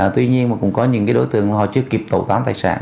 tuy nhiên mà cũng có những đối tượng họ chưa kịp tổ khám tài sản